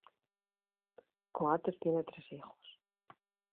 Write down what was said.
Coates tiene tres hijos.